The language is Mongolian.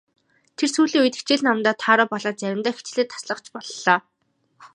Тэр сүүлийн үед хичээл номдоо тааруу болоод заримдаа хичээлээ таслах ч боллоо.